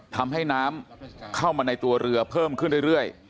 ทำให้น้ำเข้ามาในตัวเรือเพิ่มขึ้นเรื่อย